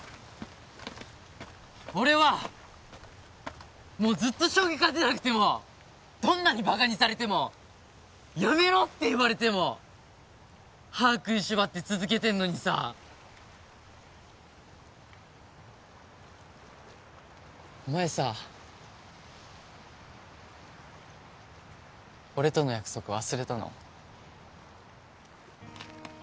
俺はもうずっと将棋勝てなくてもどんなにバカにされてもやめろって言われても歯食いしばって続けてんのにさあお前さ俺との約束忘れたの？